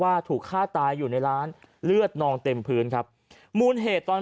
ว่าถูกฆ่าตายอยู่ในร้านเลือดนองเต็มพื้นครับมูลเหตุตอน